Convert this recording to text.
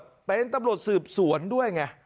แต่เป็นตำรวจสืบสวนด้วยไง